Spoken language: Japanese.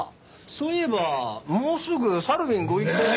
そういえばもうすぐサルウィンご一行が。